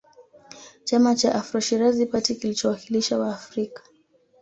Chama cha AfroShirazi party kilichowakilisha Waafrika